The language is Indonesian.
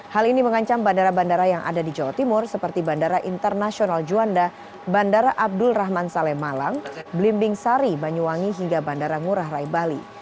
hal ini mengancam bandara bandara yang ada di jawa timur seperti bandara internasional juanda bandara abdul rahman saleh malang belimbing sari banyuwangi hingga bandara ngurah rai bali